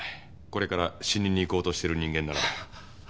これから死にに行こうとしている人間だから。